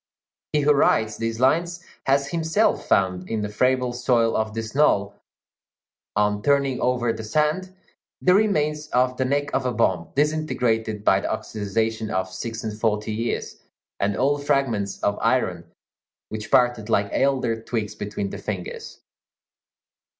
He who writes these lines has himself found, in the friable soil of this knoll, on turning over the sand, the remains of the neck of a bomb, disintegrated, by the oxidization of six and forty years, and old fragments of iron which parted like elder twigs between the fingers.